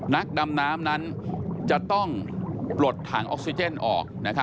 นักดำน้ำนั้นจะต้องปลดถังออกซิเจนออก